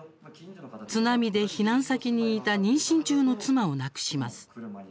津波で避難先にいた妊娠中の妻を亡くします。